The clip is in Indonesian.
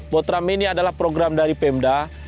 botram ini adalah program dari pemda